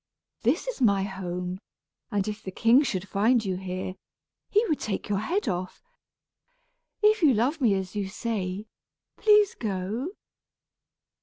This is my home, and if the king should find you here, he would take your head off. If you love me as you say, please go."